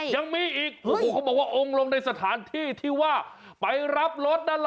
ยังมีอีกโอ้โหเขาบอกว่าองค์ลงในสถานที่ที่ว่าไปรับรถนั่นแหละ